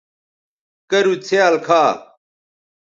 کرُو څھیال کھا